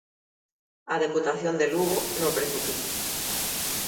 'A Deputación de Lugo, no precipicio'.